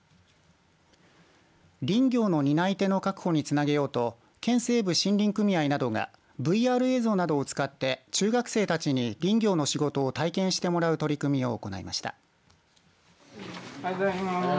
林業の担い手の確保につなげようと県西部森林組合などがＶＲ映像などを使って中学生たちに林業の仕事を体験してもらう取り組みを行いました。